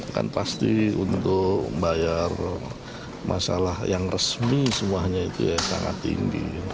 kan pasti untuk membayar masalah yang resmi semuanya itu ya sangat tinggi